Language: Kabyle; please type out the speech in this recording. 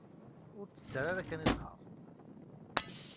Ur tt-ttarra ara kan i zzheṛ.